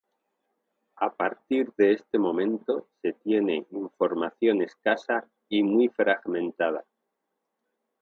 A partir de este momento se tiene información escasa y muy fragmentada.